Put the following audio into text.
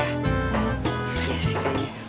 ya sih kayaknya